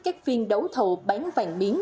các phiên đấu thầu bán vàng miếng